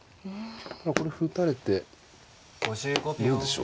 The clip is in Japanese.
これ歩打たれてどうでしょう。